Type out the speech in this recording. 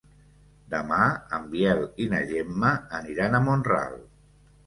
Demà en Biel i na Gemma aniran a Mont-ral.